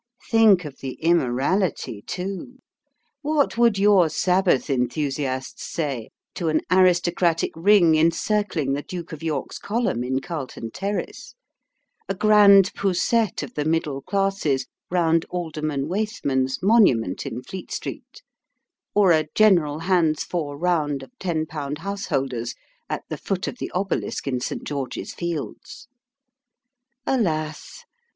Think of the immorality, too ! What would your sabbath enthusiasts say, to an aristocratic ring encircling the Duke of York's Column in Carlton Terrace a grand poussette of the middle classes, round Alderman Waithman's monument in Fleet Street, or a general hands four round of ten pound householders, at the foot of the Obelisk in St. George's Fields ? Alas